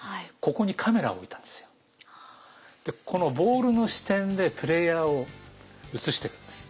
このボールの視点でプレーヤーを映してるんです。